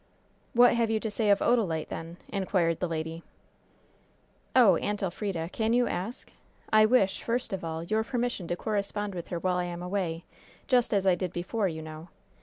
"What have you to say of Odalite, then?" inquired the lady. "Oh, Aunt Elfrida! Can you ask? I wish, first of all, your permission to correspond with her while I am away, just as I did before, you know!